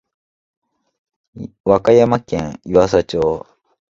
和歌山県湯浅町